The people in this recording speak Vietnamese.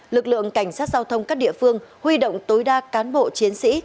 lực lượng cảnh sát giao thông các địa phương huy động tối đa cán bộ chiến sĩ